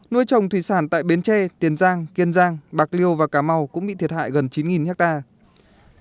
nuôi trồng thủy sản tại bến tre tiền giang kiên giang bạc liêu và cà mau cũng bị thiệt hại gần chín hectare